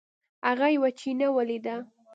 هغه یوه چینه ولیده.